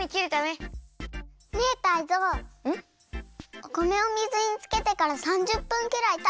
お米を水につけてから３０分くらいたったよ！